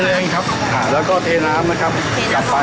ก็คือเหมือนลวกแล้วก็ตั้งกระทะอ๋อเดินใช้กระทะ